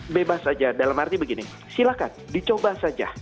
bebas saja dalam arti begini silakan dicoba saja